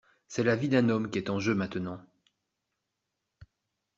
c’est la vie d’un homme qui est en jeu maintenant.